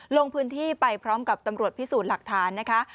ลงพื้นที่ไปพร้อมกับตำรวจพิสูจน์หลักฐานนะคะ